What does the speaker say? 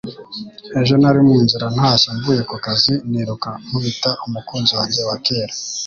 Ejo nari mu nzira ntashye mvuye ku kazi, niruka nkubita umukunzi wanjye wa kera.